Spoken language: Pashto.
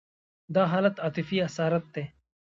دا حالت عاطفي اسارت دی.